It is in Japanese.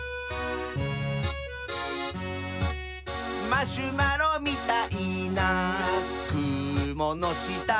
「マシュマロみたいなくものした」